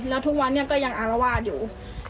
แล้วทุกวันนี้ก็ยังอารวาสอยู่